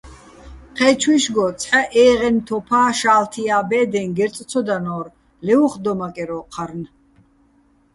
ჴე́ჩუჲშგო ცჰ̦ა ე́ღენო̆ თოფა́, შა́ლთია ბე́დეჼ გერწ ცო დანო́რ, ლე უ̂ხ დომაკერ ო́ჴარნ.